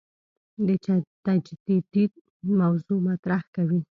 د تجدید موضوع مطرح کوي.